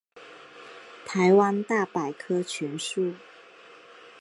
台湾大百科全书